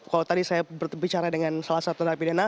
kalau tadi saya berbicara dengan salah satu narapidana